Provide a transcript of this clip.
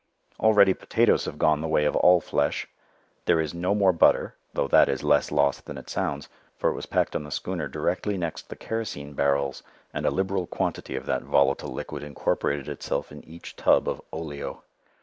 Already potatoes have gone the way of all flesh; there is no more butter (though that is less loss than it sounds, for it was packed on the schooner directly next the kerosene barrels, and a liberal quantity of that volatile liquid incorporated itself in each tub of "oleo").